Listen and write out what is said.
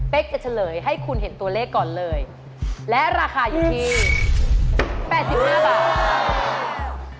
เป็นจะเฉลยให้คุณเห็นตัวเลขก่อนเลยและราคาอยู่ที่๘๕บาท